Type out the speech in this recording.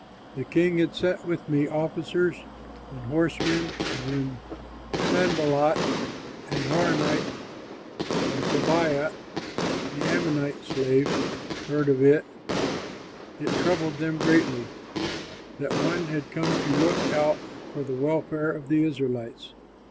The king had sent with me officers and horsemen; and when Sanballat, the Horonite, and Tobiah, the Ammonite slave, heard of it, it troubled them greatly, that one had come to look out for the welfare of the Israelites.